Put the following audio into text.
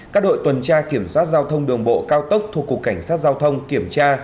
các đội tuần tra kiểm soát giao thông đường bộ cao tốc thuộc cục cảnh sát giao thông kiểm tra